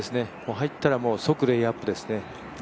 入ったら即レイアップですね。